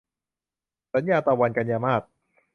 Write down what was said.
สัญญาตะวัน - กันยามาส